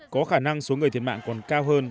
có khả năng số người thiệt mạng còn cao hơn